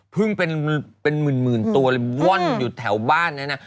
เป็นหมื่นตัวว่นอยู่แถวบ้านนี่นะ